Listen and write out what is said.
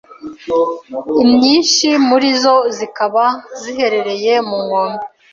inyinshi muri zo zikaba ziherereye ku nkombe